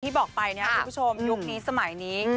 บอกไปนะครับคุณผู้ชมยุคนี้สมัยนี้